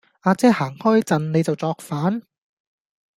亞姐行開陣,你就作反